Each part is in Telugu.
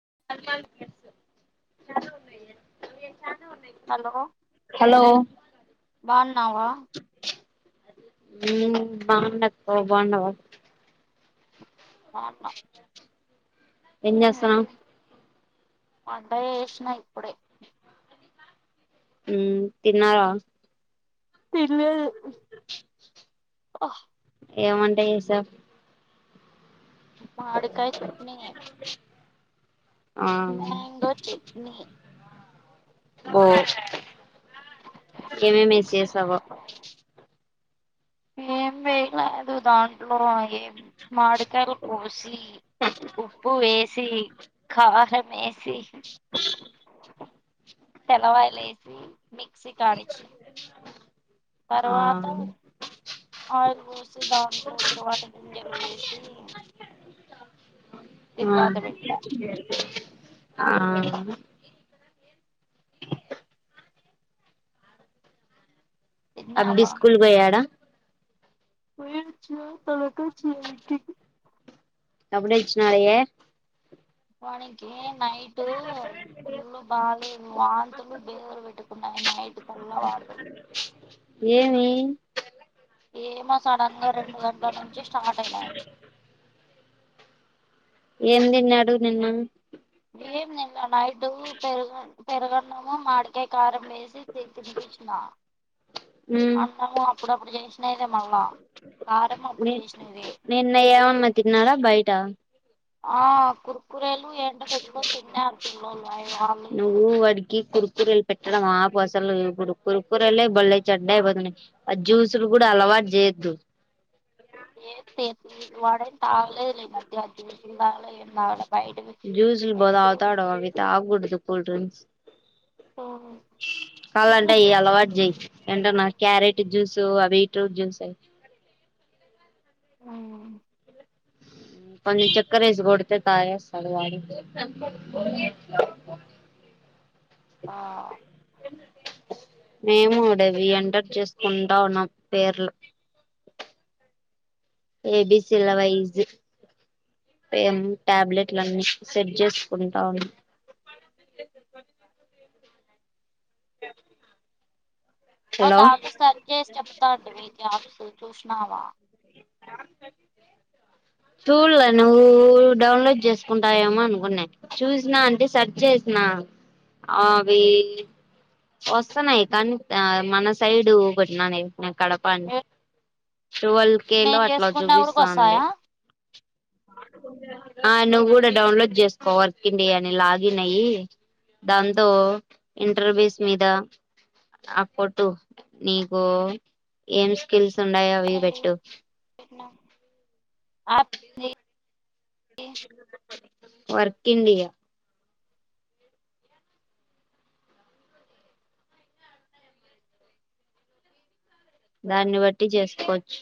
[unintelligible] హలో హలో బాన్నావా బాగుండ బాగుండవా ఆ ఎంచేస్తానవ్ వంటయ చేసినా ఇప్పుడే తిన్నారా లేదు ఏమంటాయి ఈసాబ్ మామిడికాయ చట్నీ ఆ మ్యాంగో చట్నీ బఓ ఏమెమి ఏసి చేశావో ఏం వేయలేదు దాంట్లో ఏం మాడికాయలు కోసి ఉప్పు వేసి కారం వేసి సి తెల్లవాయిలు వేసి మిక్సీ కానిచ్చ ఆ తర్వాత ఆయిలు పోసి దాంట్లో తరువాత గింజలు వేసి ఆ తిరువాత పెట్టా ఆ అబ్బ తిన్నావా స్కూల్గాయాడా పోయచ్చ తలకాచ్చ అప్పుడచ్చనాలయే వానికి నైట్ ఫుల్ బాగాలేదు వాంతులు బేగురు పెట్టుకున్నాయ నైట్ చల వాడుదలు ఏమి ఏమో సడన్ గా రెండు గంటల నుంచి స్టార్ట్ అయినాయి ఏం తిన్నాడు నిన్ను ఏం ని నైడు పెరు పెరుగు అన్నం [unintelligible] మ్మ్ అంటము అప్పుడప్పుడు చేసినాయిదే మళ్ళా కారంమ అప్పుడు చేసినద మా తిినదా బయటా ఆ కురు కూరేలు ఏంటో తెచ్చుకొని తిన్నారుారు పిల్ల్లోలుు అవి వాళ్ళు లేరు నువ్వు వాడికి కురుకురేలు పెట్టడం ఆపు అసలు ఇప్పుడు కురుకురళ బళ్ళ చెడ్డాపోయి ఆ జ్యూసులు కూడా అలవాటు చేయద్దు ఏతే వాడ తాళ మ అషం తాళ జ్యూస్ బాలే తాగుతాడు డ్రింక్స్ కాాల అంటే అయ అలవాటు చేయి ఏంటన్నా క్యారెట్ జ్యూస్ ఆ బీట్రూట్ జ్యూస్ అ ఆ చక్కర వేసి కొడితే ఇ ఆ మేము అడవి ఎంటర్ చేసుకుంటా ఉన్నాం పేర్లు ఏబిసిీ ల వైజ ఏేం టాబ్లెట్లన్నీ సెట్ చేసుకుంటా ఉ అ హలో దాంతో సరి చేసి చెప్తాండివి జ్యాప్సులు చూసినావా చూల్ నువ్వు డౌన్లోడ్ చేసుకుంటావేమో అనుకున్నా చూసినా అంటే సెర్చ్ చేసిన నా అవి వస్తున్నాయి కానీ మన సైడ్ కొట్టిన్నాను కడపని టువల్వ్ కే లో నేను అట్లా చేసుకున్నవి కూడా చూపిస్తాండి వస్తాయా ఆ నువ్వు కూడా డౌన్లోడ్ చేసుకో వర్క్ ఇండియాని లాగిన్ అయ్యి దాంతో ఇంటర్ బేస్ మీద ఏం స్కిల్ వేయి పెట్టు వర్క్ ఇండియా దాన్ని బట్టి చేసుకోవచ్చు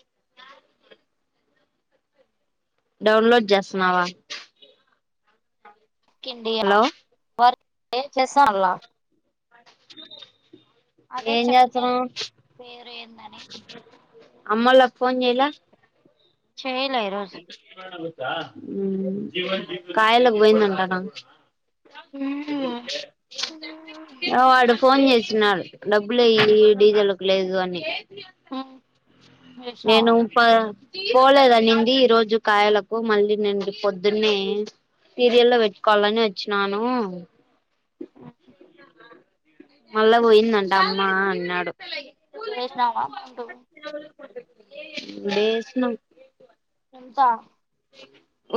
డౌన్లోడ్ చేస్తున్నావా హలో [unintelligible] అదే ఏం చెబితే చేస్తున్నావ్ పేరు ఏందని అమ్మలా పోన్ చేయలా చేయలే ఈ రోజు కాయలకు పోయిందంట ఎ వాడు ఫోన్ చేసినడు డబ్బులుయ డీజిల్ కు లేదు అని ఏ అంత చేసినావా నేను ఉఊప్ప పోలేదానిండి ఈ రోజు కాయలకు మళ్ళీ నండి పొద్దున్నే సీరియల్లో పెట్టుకోవాలని వచ్చినాను మళ్ళా పోయిందంట అమ్మా అన్నాడు వసినవా అమౌంట లేశినం అంతా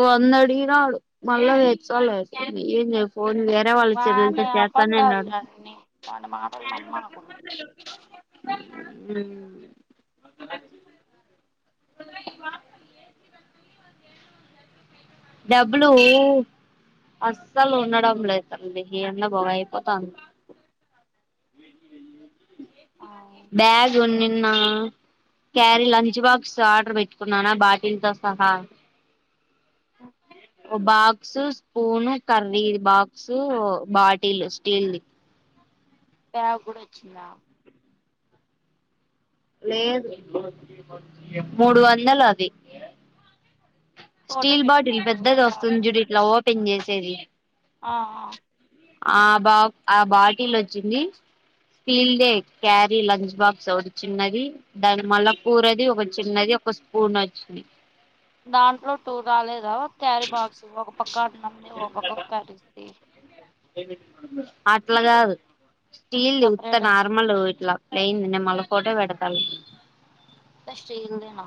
వంద అడిగినాడు మళ్ళా [unintelligible] ఏం చె పోని వేరే వాళ్ళ సెల్లలతో వాని చేస్తాను అబద్ధాలు అన్నాడు. అన్నీ వాని మాటలు నమ్మకు ఉ అ డబ్బలూ అస్సలు ఉండడం లే [unintelligible] ఈ ఎండకు ఇది అయిపోతాంది. బ్యాగ్ ఉన్ని న్నా క్యారీ లంచ్ బాక్స్ ఆర్డర్ పెట్టుకున్నానా బాటిల్తో సహా ఓ box, spoon, curry box, bottle steel దీ. బ్యాగు కూడా వచ్చిందా. లేదు మూడు వందలు అది. ఫోటో స్టీల్ పెట్టు బాటిల్ నాకు పెద్దది ఎట్లా ఆడదో వస్తుంది చూడు ఇట్లా ఓపెన్ చేసేది. ఆ ఆ ఆ బా ఆ బాటిల్ వచ్చింది, స్టీల్ దే క్యారీ లంచ్ బాక్స్ ఒకటి చిన్నది దాని మళ్ళా కూరది ఒక చిన్నది ఒక స్పూన్ అచ్చింది. దాంట్లో టూ రాలేదా ఒక క్యారీ బాక్స్ ఒక పక్క అట్ల ఉండి ఒక పక్క క్యారీస్ ది. అట్లా కాదు స్టీల్ది ఉత్త సపరేట్ వచ్చింది నార్మల్ ఇట్లా ప్లేయిన్ నేను మళ్ళా పోటో పెడతా అంతా స్టీల్ దేనా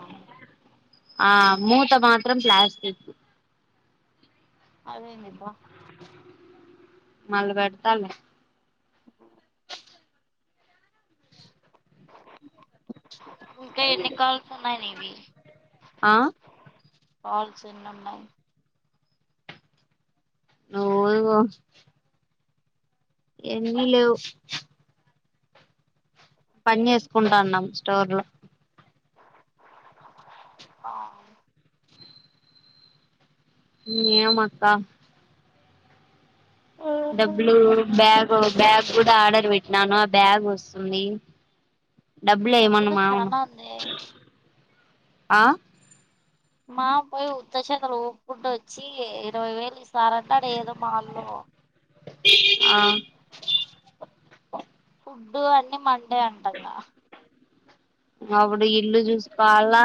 ఆ మూత మాత్రం ప్లాస్టికు అదేంది అబ్బా మల్లా పెడతాలే. [inaudible] ఇంకా ఎన్ని కాల్స్ ఉన్నయి నీవి. ఆ కాల్స్ ఎన్నున్నయి. ఓ [unintelligible] ఎన్నిలేవు. పని చేసుకుంటాన్నాం స్టోర్ లో. ఆ ఇంగేం అక్క డబ్బులు బ్యాగ్ బ్యాగ్ కూడా ఆర్డర్ పెట్టినాన బ్యాగ్ వస్తుంది. డబ్బులేయిమను డబ్బులు మామను. చానా ఉందే ఆ మామ పోయి ఉత్త చేతుల ఊపుకుంట వచ్చి ఇరవై వేలు ఇస్ స్తారంట ఆడ ఏదో మాల్లో ఆ ఫుడ్డు అన్ని మండే అంట అక్క అప్పుడు ఇల్లు చూసుకోవాలా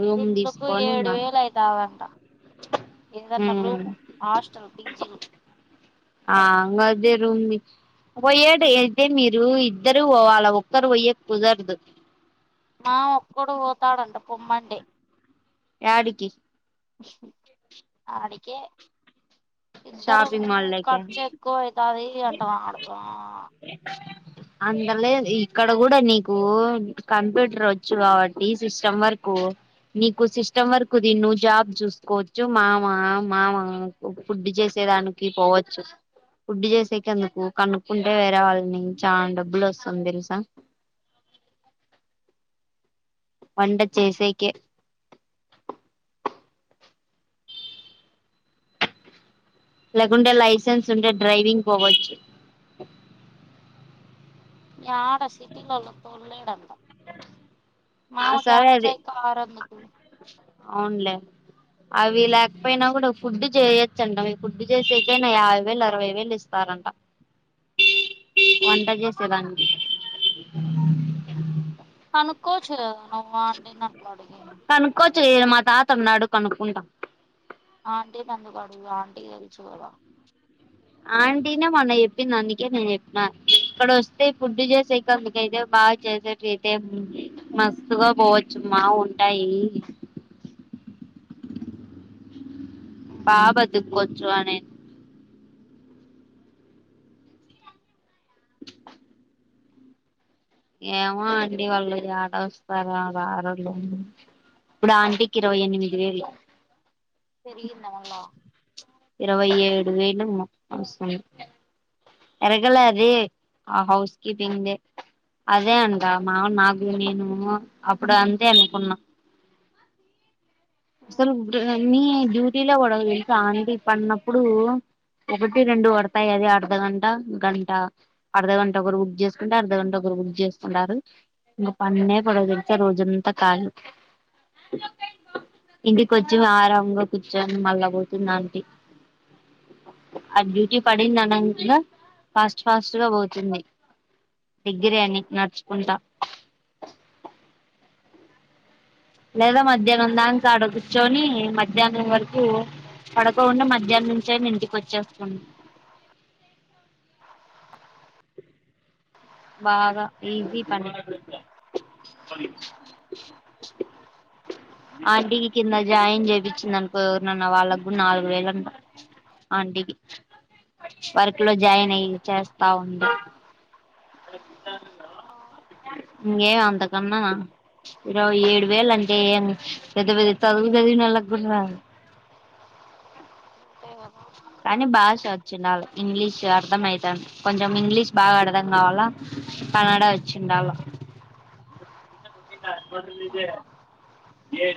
రూమ్ ఇల్లుకు తీసుకొని ఏడు ఉన్నా వేలు అయితాదంటా. ఏదన్నా రూమ్ ఉమ్ హాస్టల్ పిజిలు ఆ గ అద్దె రూమ్ తీస్ పోయేడి అయితే మీరు ఇద్దరు పోవాళ ఒక్కరు పోయేది కుదరదు. మామ ఒక్కడు పోతాడంట పొమ్మంటే. యాడికి ఆడికే ఇద్దరము షాపింగ్ మాల్ లోకి ఖర్చు ఎక్కువ అయితాది అంటున్నాడు మామ. [inaudible] అందులే ఇక్కడ కూడా నీకు కంప్యూటర్ వచ్చు కాబట్టి సిస్టమ్ వరకు నీకు సిస్టమ్ వర్కుది నువ్వు జాబ్ చూసుకోవచ్చు మా మా మా ఫుడ్ చేసే దానికి పోవచ్చు ఫూడ్డి చే క ఎందుకు కనుక్కుంటే వేరే వాళ్ళని చాలా డబ్బులు వస్తుంది తెలుసా [inaudible] వండ చేసేకి లేకుండే లైసెన్స్ ఉంటే డ్రైవింగ్ పోవచ్చు ఈ ఆడ సిటీలోళ తొలడంత ఆ మామకి సరే అది అడచాయి క ఆరందికు అవునులే అవి లేకపోయినా కూడా ఫుడ్ చేయొచ్చండి ఫుడ్డు చేసేకయినా యాభై వేలు అరవై వేలు ఇస్తారు రంటా వంటజసే దానికి అనుకోవచ్చు కదా నువ్వా అండి అట్లా అడిగి చే మా తాత ఉనాడు కనుకుంటా ఆంటీ పందుకడు ఆంటీకి తెలుసు కూడా ఆంటిన మొన్న ఎప్పిన నన్నకే నేను చెప్పినా ఇక్కడ వస్తే ఫుడ్ చేసేయి క మీకైతే బాగా చేసేట్యితే మస్తుత్గా పోవచ్చు మా ఉంటాయి పాపదు కొంచవానేే ఏమో అండి వాళ్ళు ఆడ వస్తారా రారులో ఇప్పుడు ఆంటికి ఇరవై ఎనిమిది వేలు తెరిందా మళ్ళ ఇరవై ఏడు వేలు మొత్తం వస్తుంది ఇరగలే అద హౌస్ కీపింగిందె అదే అంట మా నాకు నేను అప్పుడు అంతే అనుకున్నా అసలు ఇప్పు అన్నీ డ్యూటీలో కూడా తెల్సా అంటీ ఇప్పుడున్నప్పుడు ఒకటి రెండు పడతాయి అది అర్ధగంట గంట అర్ధగంట ఒకరు బుక్ చేసుకుంటే అర్ధగంట ఒకరు జ చేసుకుంటారు ఇంకా పన్నే పడవు తెల్సా రోజంతా కాళు ఇంటిక వచ్చి ఆరాంగా కూర్చొని మళ్ళా పోతుంది అంటీ ఆ డ్యూటీ పడింది అన ఫాస్ట్ ఫాస్ట్ గా పోతుంది దగ్గరే అని నడుచుకుంటా లేదా మధ్యాహ్నం దాకా అడ కూర్చొని మధ్యాహనం వరకు పడుకోకుండా మధ్యాహ్నం నుంచి అయిన ఇంటికి వచ్చేస్తడి బాగా ఈజీ పని ఆంటికి కింద జాయిన్ చేపించింది అనుకో ఎవరున్న వాళ్ళ కూడా నాలుగు వేలుంట ఆంటికి వర్క్ లో జాయిన్ అయ చేస్తా ఉంది ఇకేం అంత కన్నా ఇరో ఏడు వేలు అంటే పెద్ద పెద్ద చదువు చదివినా వాళ్ళకి కూడా రాదు అంతే కదా కానీ భాష వచ్చిండ వాళ్ళు ఇంగ్లీష్ అర్ధ అయితంది కొంచెం ఇంగ్లీష్ బాగా అర్థం కావాలా కనాడ వచ్చండాల మ ఇే ఏ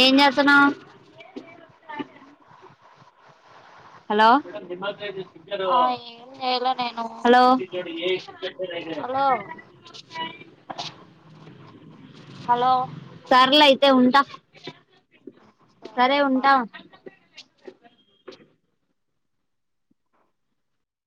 ఏం చేస్తునావ్ హలో ఆ ఏం చేయలే నేను హలో హలో హలో సర్లు అయితే ఉంటా సరే సరేలే బాయ్ ఉంటా